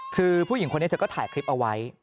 คือผู้หญิงคนนี้เธอก็ถ่ายคลิปเอาไว้